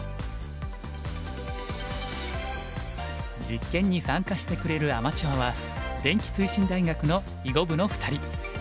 実験に参加してくれるアマチュアは電気通信大学の囲碁部の２人。